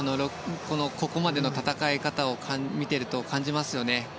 ここまでの戦い方を見ていると感じますよね。